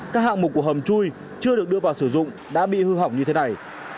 các hạng mục của hầm chui chưa được đưa vào sử dụng đã bị hư hỏng như thế này